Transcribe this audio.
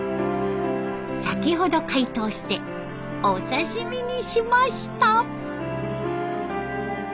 先ほど解凍してお刺身にしました。